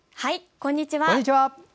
こんにちは。